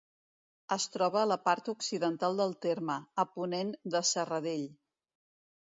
Es troba a la part occidental del terme, a ponent de Serradell.